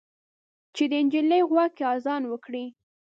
چې د نجلۍ غوږ کې اذان وکړئ